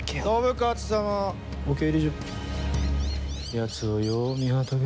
やつをよう見張っとけ。